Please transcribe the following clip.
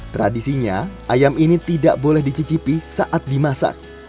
tradisinya ayam ini tidak boleh dicicipi saat dimasak